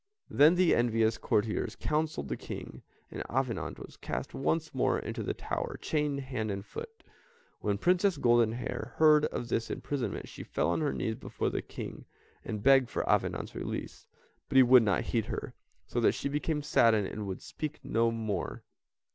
Then the envious courtiers counselled the King, and Avenant was cast once more into the tower, chained hand and foot. When Princess Goldenhair heard of this imprisonment, she fell on her knees before the King, and begged for Avenant's release; but he would not heed her, so that she became saddened and would speak no more.